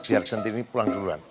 biar centini pulang duluan